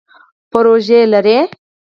پروژی لرئ؟